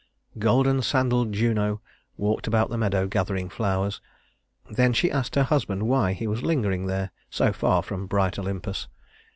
"Golden sandaled" Juno walked about the meadow gathering flowers, then she asked her husband why he was lingering there, so far from bright Olympus.